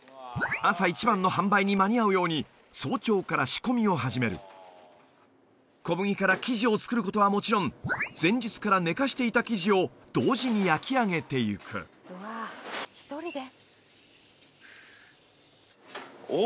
朝一番の販売に間に合うように早朝から仕込みを始める小麦から生地を作ることはもちろん前日から寝かしていた生地を同時に焼き上げていく１００キロ以上！？